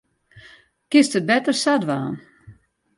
Kinst it better sa dwaan.